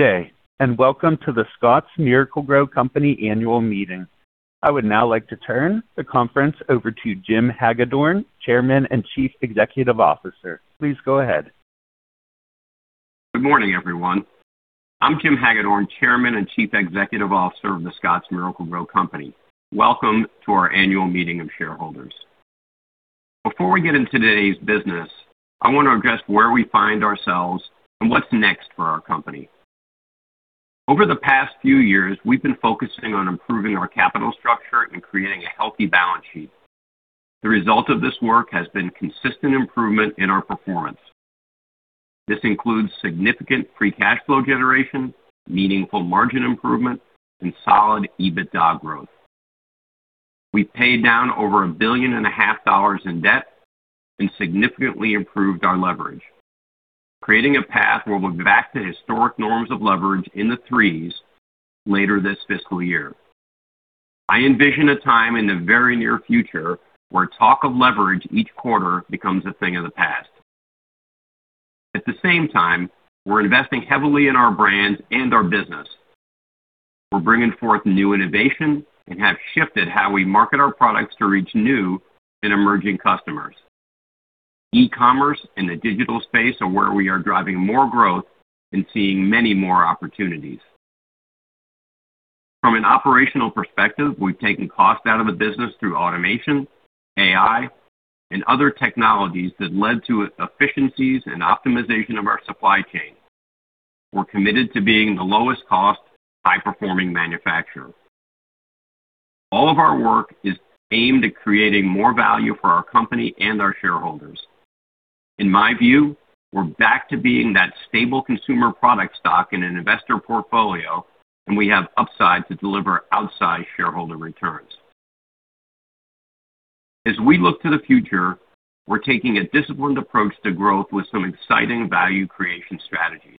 Good day, and welcome to The Scotts Miracle-Gro Company annual meeting. I would now like to turn the conference over to Jim Hagedorn, Chairman and Chief Executive Officer. Please go ahead. Good morning, everyone. I'm Jim Hagedorn, Chairman and Chief Executive Officer of The Scotts Miracle-Gro Company. Welcome to our annual meeting of shareholders. Before we get into today's business, I want to address where we find ourselves and what's next for our company. Over the past few years, we've been focusing on improving our capital structure and creating a healthy balance sheet. The result of this work has been consistent improvement in our performance. This includes significant free cash flow generation, meaningful margin improvement, and solid EBITDA growth. We've paid down over $1.5 billion in debt and significantly improved our leverage, creating a path where we're back to historic norms of leverage in the threes later this fiscal year. I envision a time in the very near future where talk of leverage each quarter becomes a thing of the past. At the same time, we're investing heavily in our brand and our business. We're bringing forth new innovation and have shifted how we market our products to reach new and emerging customers. E-commerce and the digital space are where we are driving more growth and seeing many more opportunities. From an operational perspective, we've taken cost out of the business through automation, AI, and other technologies that led to efficiencies and optimization of our supply chain. We're committed to being the lowest-cost, high-performing manufacturer. All of our work is aimed at creating more value for our company and our shareholders. In my view, we're back to being that stable consumer product stock in an investor portfolio, and we have upside to deliver outsized shareholder returns. As we look to the future, we're taking a disciplined approach to growth with some exciting value creation strategies.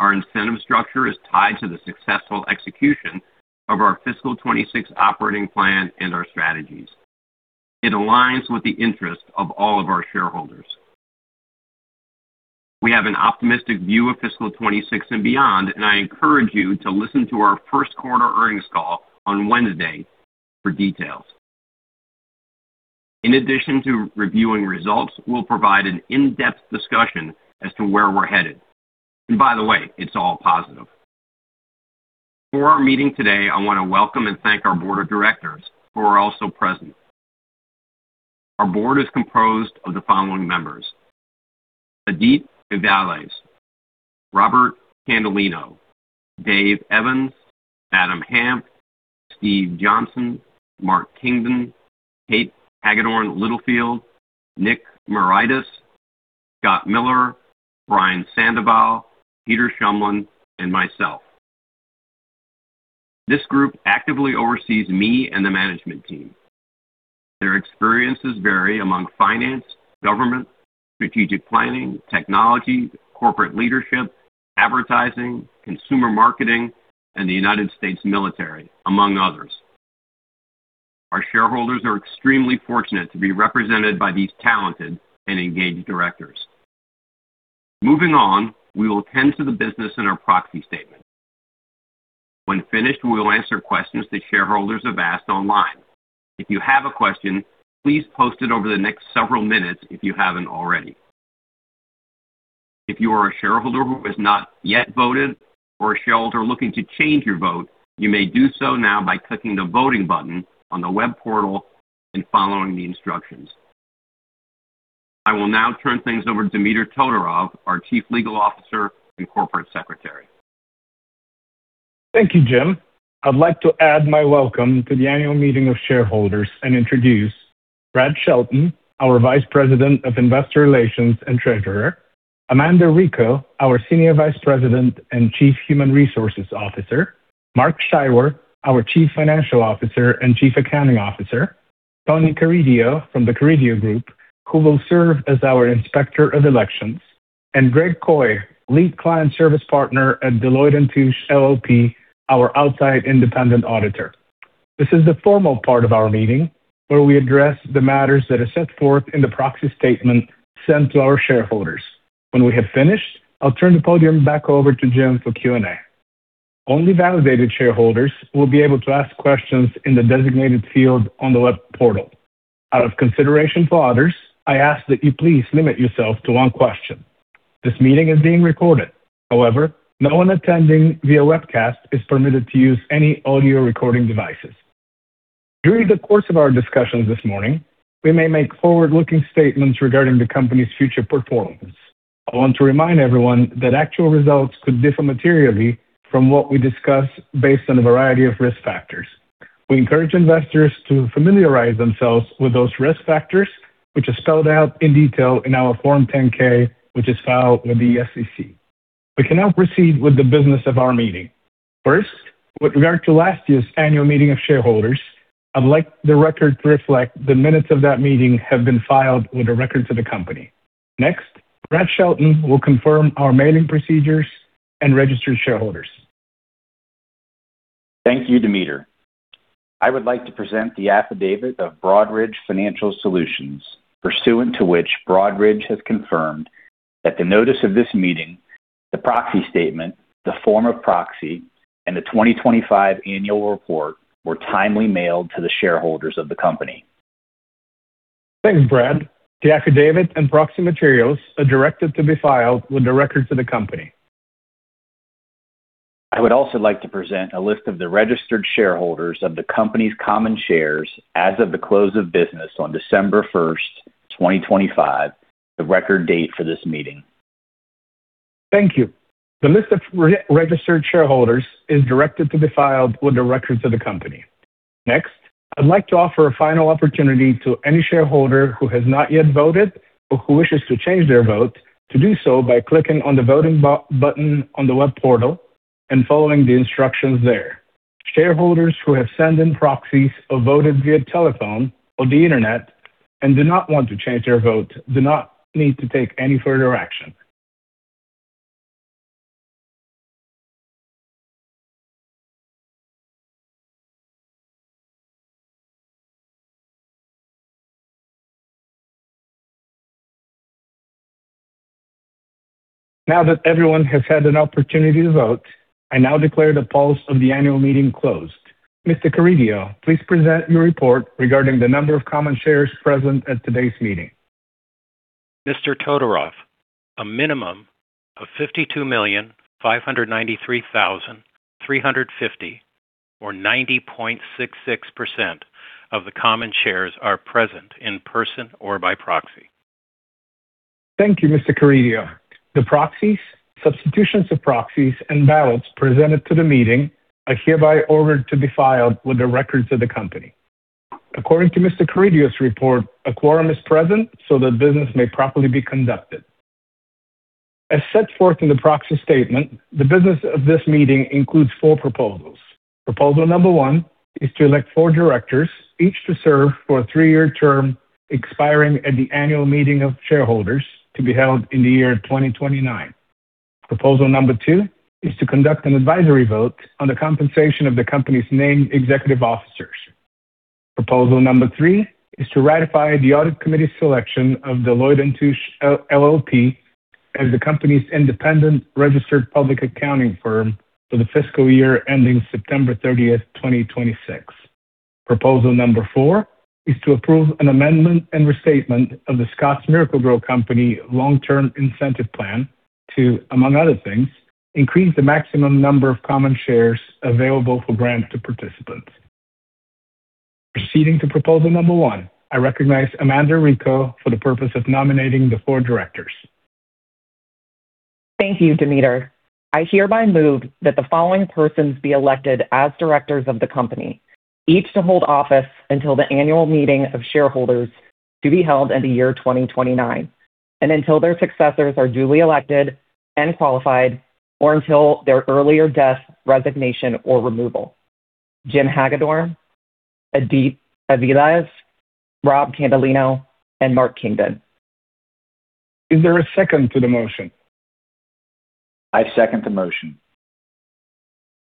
Our incentive structure is tied to the successful execution of our fiscal 2026 operating plan and our strategies. It aligns with the interests of all of our shareholders. We have an optimistic view of fiscal 2026 and beyond, and I encourage you to listen to our first quarter earnings call on Wednesday for details. In addition to reviewing results, we'll provide an in-depth discussion as to where we're headed. And by the way, it's all positive. For our meeting today, I want to welcome and thank our board of directors who are also present. Our board is composed of the following members: Edith Avilés, Roberto Candelino, Dave Evans, Adam Hanft, Steve Johnson, Mark Kingdon, Kate Hagedorn-Littlefield, Nick Miaritis, Scott Miller, Brian Sandoval, Peter Shumlin, and myself. This group actively oversees me and the management team. Their experiences vary among finance, government, strategic planning, technology, corporate leadership, advertising, consumer marketing, and the United States military, among others. Our shareholders are extremely fortunate to be represented by these talented and engaged directors. Moving on, we will tend to the business in our proxy statement. When finished, we will answer questions that shareholders have asked online. If you have a question, please post it over the next several minutes if you haven't already. If you are a shareholder who has not yet voted or a shareholder looking to change your vote, you may do so now by clicking the voting button on the web portal and following the instructions. I will now turn things over to Dimiter Todorov, our Chief Legal Officer and Corporate Secretary. Thank you, Jim. I'd like to add my welcome to the annual meeting of shareholders and introduce Brad Chelton, our Vice President of Investor Relations and Treasurer, Amanda Rico, our Senior Vice President and Chief Human Resources Officer, Mark Scheiwer, our Chief Financial Officer and Chief Accounting Officer, Tony Carideo from the Carideo Group, who will serve as our Inspector of Elections, and Greg Coy, Lead Client Service Partner at Deloitte & Touche LLP, our Outside Independent Auditor. This is the formal part of our meeting where we address the matters that are set forth in the proxy statement sent to our shareholders. When we have finished, I'll turn the podium back over to Jim for Q&A. Only validated shareholders will be able to ask questions in the designated field on the web portal. Out of consideration for others, I ask that you please limit yourself to one question. This meeting is being recorded. However, no one attending via webcast is permitted to use any audio recording devices. During the course of our discussions this morning, we may make forward-looking statements regarding the company's future performance. I want to remind everyone that actual results could differ materially from what we discuss based on a variety of risk factors. We encourage investors to familiarize themselves with those risk factors, which are spelled out in detail in our Form 10-K, which is filed with the SEC. We can now proceed with the business of our meeting. First, with regard to last year's annual meeting of shareholders, I'd like the record to reflect the minutes of that meeting have been filed with a record to the company. Next, Brad Chelton will confirm our mailing procedures and register shareholders. Thank you, Dimiter. I would like to present the affidavit of Broadridge Financial Solutions, pursuant to which Broadridge has confirmed that the notice of this meeting, the proxy statement, the form of proxy, and the 2025 annual report were timely mailed to the shareholders of the company. Thanks, Brad. The affidavit and proxy materials are directed to be filed with a record to the company. I would also like to present a list of the registered shareholders of the company's common shares as of the close of business on December 1st, 2025, the record date for this meeting. Thank you. The list of registered shareholders is directed to be filed with a record to the company. Next, I'd like to offer a final opportunity to any shareholder who has not yet voted or who wishes to change their vote to do so by clicking on the voting button on the web portal and following the instructions there. Shareholders who have sent in proxies or voted via telephone or the internet and do not want to change their vote do not need to take any further action. Now that everyone has had an opportunity to vote, I now declare the polls of the annual meeting closed. Mr. Carideo, please present your report regarding the number of common shares present at today's meeting. Mr. Todorov, a minimum of 52,593,350 or 90.66% of the common shares are present in person or by proxy. Thank you, Mr. Carideo. The proxies, substitutions of proxies, and ballots presented to the meeting are hereby ordered to be filed with the records of the company. According to Mr. Carideo's report, a quorum is present so that business may properly be conducted. As set forth in the proxy statement, the business of this meeting includes four proposals. Proposal number one is to elect four directors, each to serve for a three-year term expiring at the annual meeting of shareholders to be held in the year 2029. Proposal number two is to conduct an advisory vote on the compensation of the company's named executive officers. Proposal number three is to ratify the audit committee's selection of Deloitte & Touche LLP as the company's independent registered public accounting firm for the fiscal year ending September 30th, 2026. Proposal number four is to approve an amendment and restatement of the Scotts Miracle-Gro Company long-term incentive plan to, among other things, increase the maximum number of common shares available for grant to participants. Proceeding to proposal number one, I recognize Amanda Rico for the purpose of nominating the four directors. Thank you, Dimiter. I hereby move that the following persons be elected as directors of the company, each to hold office until the annual meeting of shareholders to be held in the year 2029, and until their successors are duly elected and qualified, or until their earlier death, resignation, or removal. Jim Hagedorn, Edith Avilés, Rob Candelino, and Mark Kingdon. Is there a second to the motion? I second the motion.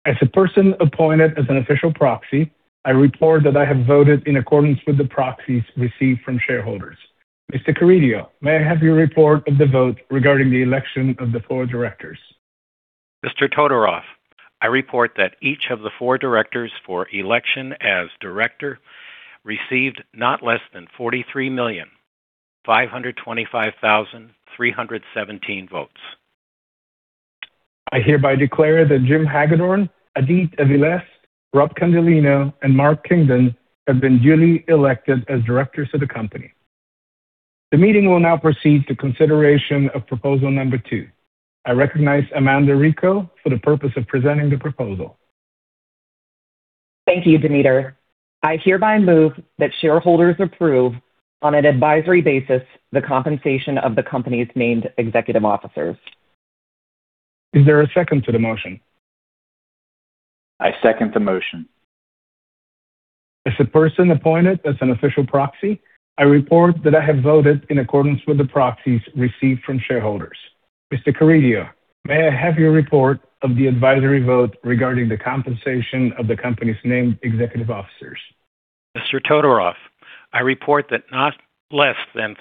As a person appointed as an official proxy, I report that I have voted in accordance with the proxies received from shareholders. Mr. Carideo, may I have your report of the vote regarding the election of the four directors? Mr. Todorov, I report that each of the four directors for election as director received not less than 43,525,317 votes. I hereby declare that Jim Hagedorn, Edith Avilés, Rob Candelino, and Mark Kingdon have been duly elected as directors of the company. The meeting will now proceed to consideration of proposal number two. I recognize Amanda Rico for the purpose of presenting the proposal. Thank you, Dimiter. I hereby move that shareholders approve on an advisory basis the compensation of the company's named executive officers. Is there a second to the motion? I second the motion. As a person appointed as an official proxy, I report that I have voted in accordance with the proxies received from shareholders. Mr. Carideo, may I have your report of the advisory vote regarding the compensation of the company's named executive officers? Mr. Todorov, I report that not less than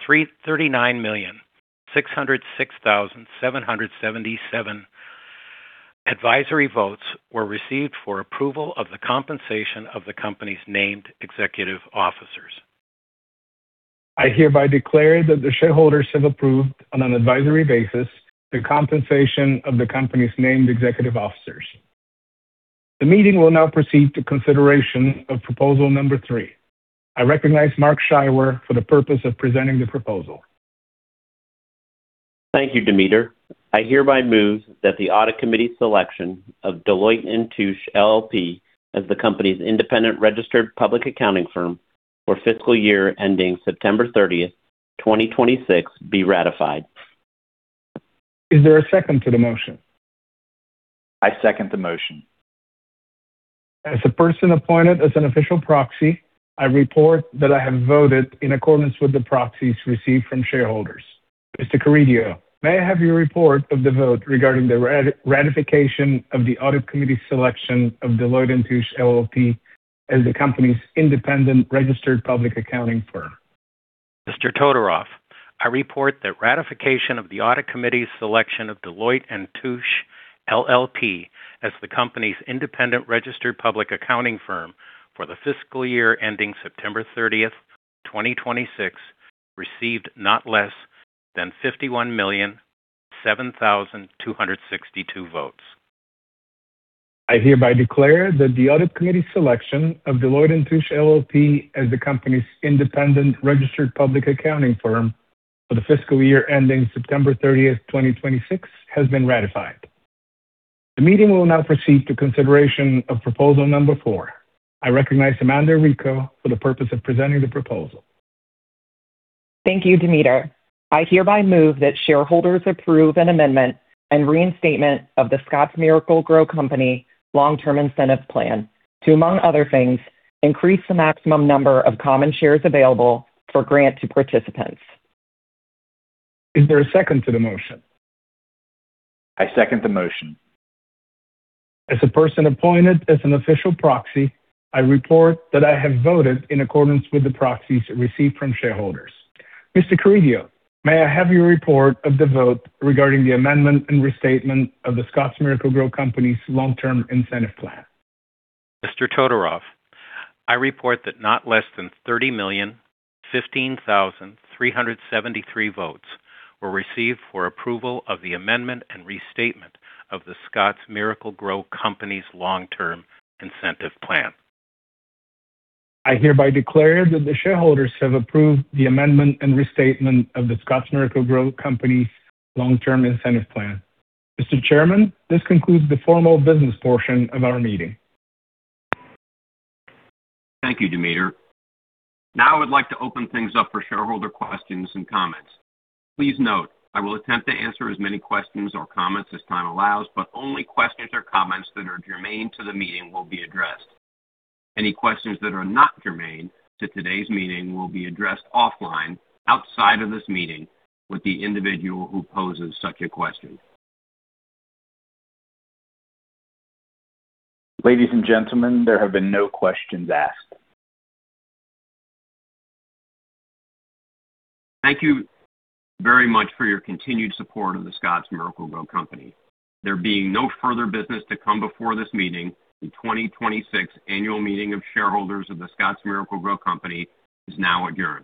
339,606,777 advisory votes were received for approval of the compensation of the company's named executive officers. I hereby declare that the shareholders have approved on an advisory basis the compensation of the company's named executive officers. The meeting will now proceed to consideration of proposal number three. I recognize Mark Scheiwer for the purpose of presenting the proposal. Thank you, Dimiter. I hereby move that the audit committee selection of Deloitte & Touche LLP as the company's independent registered public accounting firm for fiscal year ending September 30th, 2026, be ratified. Is there a second to the motion? I second the motion. As a person appointed as an official proxy, I report that I have voted in accordance with the proxies received from shareholders. Mr. Carideo, may I have your report of the vote regarding the ratification of the audit committee selection of Deloitte & Touche LLP as the company's independent registered public accounting firm? Mr. Todorov, I report that ratification of the audit committee selection of Deloitte & Touche LLP as the company's independent registered public accounting firm for the fiscal year ending September 30th, 2026, received not less than 51,007,262 votes. I hereby declare that the audit committee selection of Deloitte & Touche LLP as the company's independent registered public accounting firm for the fiscal year ending September 30th, 2026, has been ratified. The meeting will now proceed to consideration of proposal number four. I recognize Amanda Rico for the purpose of presenting the proposal. Thank you, Dimiter. I hereby move that shareholders approve an amendment and reinstatement of the Scotts Miracle-Gro Company long-term incentive plan to, among other things, increase the maximum number of common shares available for grant to participants. Is there a second to the motion? I second the motion. As a person appointed as an official proxy, I report that I have voted in accordance with the proxies received from shareholders. Mr. Carideo, may I have your report of the vote regarding the amendment and restatement of the Scotts Miracle-Gro Company's long-term incentive plan? Mr. Todorov, I report that not less than 30,015,373 votes were received for approval of the amendment and restatement of the Scotts Miracle-Gro Company's long-term incentive plan. I hereby declare that the shareholders have approved the amendment and restatement of The Scotts Miracle-Gro Company's long-term incentive plan. Mr. Chairman, this concludes the formal business portion of our meeting. Thank you, Dimiter. Now I would like to open things up for shareholder questions and comments. Please note, I will attempt to answer as many questions or comments as time allows, but only questions or comments that are germane to the meeting will be addressed. Any questions that are not germane to today's meeting will be addressed offline, outside of this meeting, with the individual who poses such a question. Ladies and gentlemen, there have been no questions asked. Thank you very much for your continued support of the Scotts Miracle-Gro Company. There being no further business to come before this meeting, the 2026 annual meeting of shareholders of the Scotts Miracle-Gro Company is now adjourned.